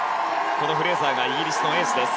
このフレーザーがイギリスのエースです。